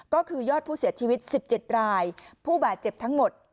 ก็คือยอดผู้เสียชีวิต๑๗รายผู้บาดเจ็บทั้งหมด